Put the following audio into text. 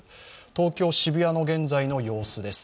東京・渋谷の現在の様子です。